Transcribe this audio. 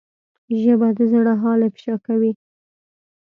ژبه د زړه حال افشا کوي